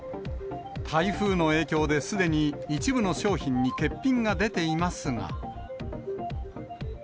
台風の影響で、すでに一部の商品に欠品が出ていますが。